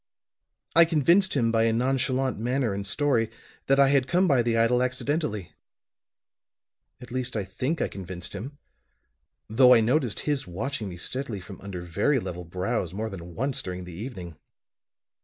I convinced him by a nonchalant manner and story, that I had come by the idol accidentally. At least I think I convinced him, though I noticed his watching me steadily from under very level brows more than once during the evening.